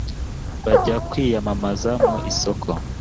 bajya kwiyamamaza mu isoko